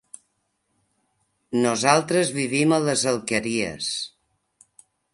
Nosaltres vivim a les Alqueries.